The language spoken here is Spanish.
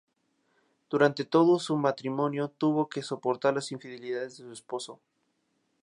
Durante todo su matrimonio tuvo que soportar las infidelidades de su esposo.